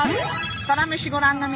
「サラメシ」ご覧の皆様